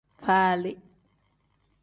Falii.